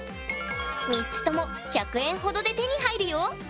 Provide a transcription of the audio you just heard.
３つとも１００円ほどで手に入るよ。